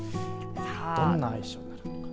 どんな愛称になるのか。